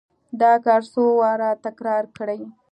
دا کار څو واره تکرار کړئ.